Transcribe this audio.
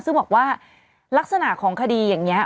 ซึ่งบอกว่าลักษณะของคดีอย่างนี้